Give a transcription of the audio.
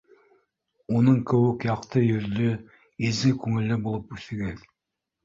— Уның кеүек яҡты йөҙлө, изге күңелле булып үҫегеҙ.